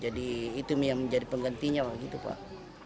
jadi itu yang menjadi penggantinya gitu pak